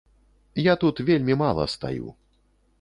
Я тут вельмі мала стаю.